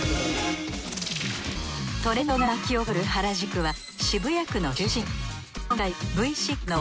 トレンドが巻き起こる原宿は渋谷区の中心部。